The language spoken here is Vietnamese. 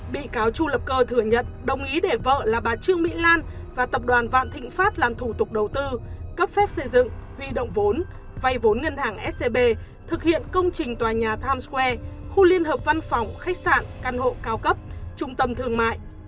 bị cáo chu lập cơ thừa nhận đồng ý để vợ là bà trương mỹ lan và tập đoàn vạn thịnh pháp làm thủ tục đầu tư cấp phép xây dựng huy động vốn vay vốn ngân hàng scb thực hiện công trình tòa nhà times square khu liên hợp văn phòng khách sạn căn hộ cao cấp trung tâm thương mại